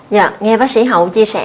dạ nghe bác sĩ hậu chia sẻ